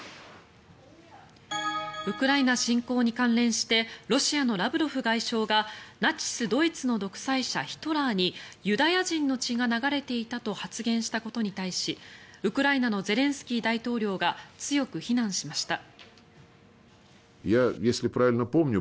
ウクライナ侵攻に関連してロシアのラブロフ外相がナチスドイツの独裁者ヒトラーにユダヤ人の血が流れていたと発言したことに対しウクライナのゼレンスキー大統領が強く非難しました。